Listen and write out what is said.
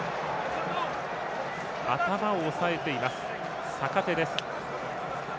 頭を押さえています、坂手です。